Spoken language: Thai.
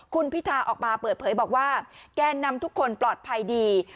คุณพิธาออกมาเปิดเผยบอกว่าแกนนำทุกคนปลอดภัยดี